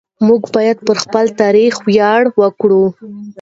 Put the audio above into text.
موږ باید پر خپل تاریخ ویاړ وکړو.